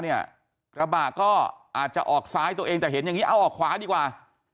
กระบะก็อาจจะออกซ้ายตัวเองแต่เห็นอย่างนี้เอาออกขวาดีกว่า